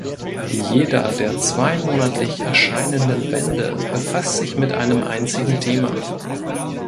Jeder der zweimonatlich erscheinenden Bände befasst sich mit einem einzigen Thema.